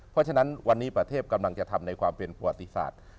เพราะฉะนั้นวันนี้ประเทศกำลังจะทำในความเป็นประวัติศาสตร์